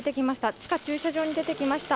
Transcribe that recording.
地下駐車場に出てきました